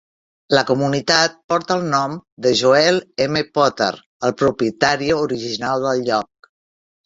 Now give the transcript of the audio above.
La comunitat porta el nom de Joel M. Potter, el propietari original del lloc.